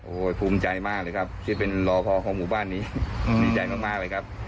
โอ้โหภูมิใจมากเลยครับที่เป็นรอพอของหมู่บ้านนี้ดีใจมากเลยครับ